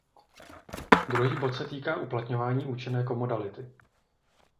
Druhý bod se týká uplatňování účinné komodality.